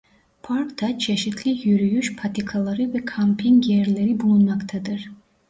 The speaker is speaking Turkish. Parkta çeşitli yürüyüş patikaları ve kamping yerleri bulunmaktadır.